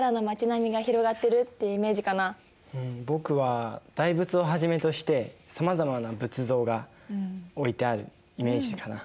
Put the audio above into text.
僕は大仏をはじめとしてさまざまな仏像が置いてあるイメージかな。